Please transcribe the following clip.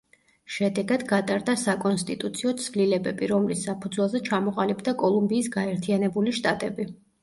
შედეგად, გატარდა საკონსტიტუციო ცვლილებები, რომლის საფუძველზე ჩამოყალიბდა კოლუმბიის გაერთიანებული შტატები.